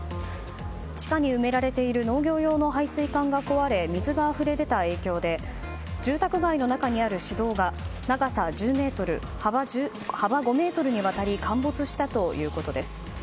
地下に埋められている農業用の配水管が壊れ水があふれ出た影響で住宅街の中にある市道が長さ１０ｍ、幅５ｍにわたり陥没したということです。